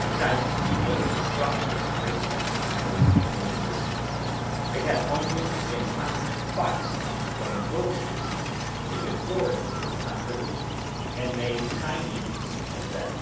The Chinese are one of the strongest races of people in existence. They have only been conquered twice but in both cases they absorbed their conquerors and made Chinese of them.